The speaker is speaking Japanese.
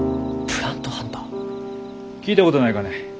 聞いたことないかね？